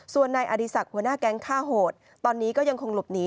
ส่วนนายอดีศักดิ์ค่าโหดตอนนี้ก็ยังคงหลบหนี